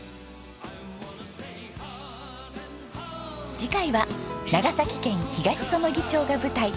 次回は長崎県東彼杵町が舞台。